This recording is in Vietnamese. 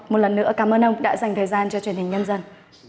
một lần nữa cảm ơn ông đã dành thời gian cho truyền hình nhân dân